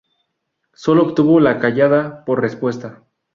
Sólo obtuvo la callada por respuesta.